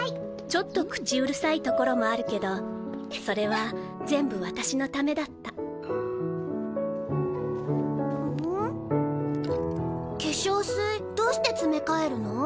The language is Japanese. ちょっと口うるさいところもあるけどそれは全部私のためだった化粧水どうしてつめかえるの？